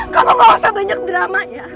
kalau gak usah banyak dramanya